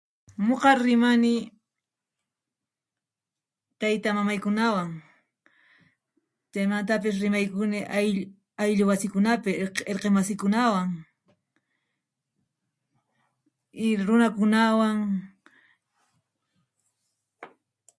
Noqa rimani taytamamaykunawan chamantapis rimaykuni ayllu wasikunapi erqemasikunawan, y runakunawan